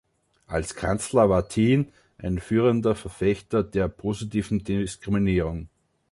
Als Kanzler war Tien ein führender Verfechter der positiven Diskriminierung.